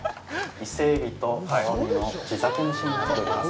イセエビとアワビの地酒蒸しになっております。